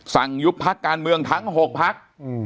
ยุบพักการเมืองทั้ง๖พัก